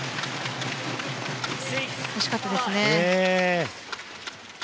惜しかったですね。